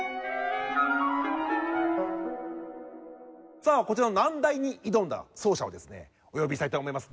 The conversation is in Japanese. さあこちらの難題に挑んだ奏者をですねお呼びしたいと思います。